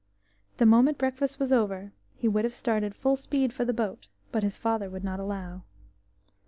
The moment breakfast was over, he would have started full speed for the boat, but this his father would not allow.